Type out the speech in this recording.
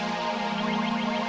saat tidak mungkin zum running altro